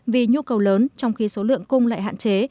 vì nhu cầu lớn trong khi số lượng cung lại hạn chế